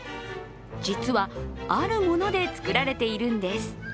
実は、あるもので作られているんです。